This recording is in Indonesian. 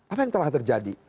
apa yang telah terjadi